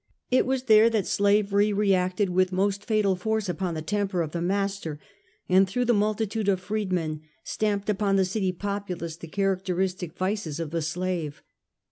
It was there that slavery reacted with most fatal force upon the temper of the master, and through the multitude of freed men stamped upon the city populace the characteristic vices of the slave.